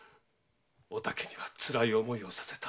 お竹にはつらい思いをさせた。